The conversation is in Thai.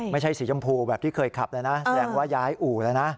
ไม่ใช่สีชมพูแบบที่เคยขับเลยนะแสดงว่าย้ายอู่แล้วนะ